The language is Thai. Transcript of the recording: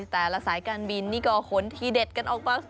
แต่ละสายการบินนี่ก็ขนทีเด็ดกันออกมา